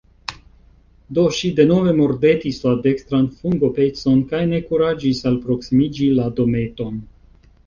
Do ŝi denove mordetis la dekstran fungopecon, kaj ne kuraĝis alproksimiĝi la dometon.